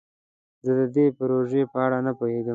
زه د دې پروژې په اړه نه پوهیږم.